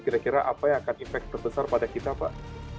kira kira apa yang akan impact terbesar pada kita pak